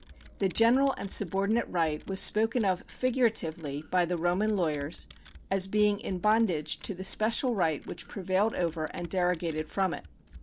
The general and subordinate right was spoken of figuratively by the Roman lawyers as being in bondage to the special right which prevailed over and dero gated from it.